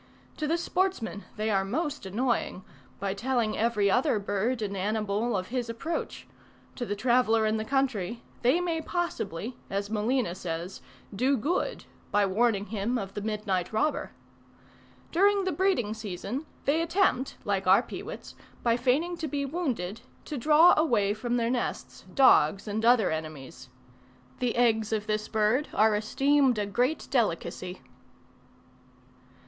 To the sportsman they are most annoying, by telling every other bird and animal of his approach: to the traveller in the country, they may possibly, as Molina says, do good, by warning him of the midnight robber. During the breeding season, they attempt, like our peewits, by feigning to be wounded, to draw away from their nests dogs and other enemies. The eggs of this bird are esteemed a great delicacy.